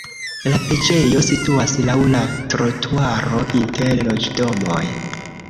La preĝejo situas laŭ la trotuaro inter loĝdomoj.